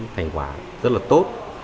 thành quả rất là tốt